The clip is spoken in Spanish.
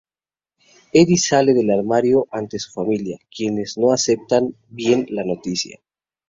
Eddie sale del armario ante su familia, quienes no aceptan bien la noticia.